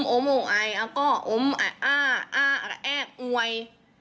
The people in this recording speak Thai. อ่ะอมอมหัวหายแล้วก็อมอ่าอ่าอ่าแอ้อวย